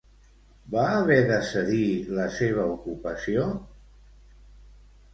Va haver de cedir la seva ocupació?